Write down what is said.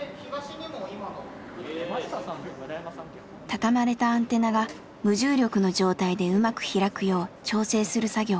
畳まれたアンテナが無重力の状態でうまく開くよう調整する作業。